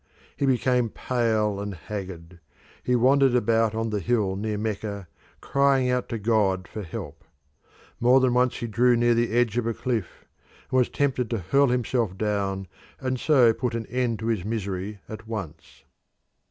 He became pale and haggard; he wandered about on the hill near Mecca, crying out to God for help. More than once he drew near the edge of a cliff, and was tempted to hurl himself down and so put an end to his misery at once.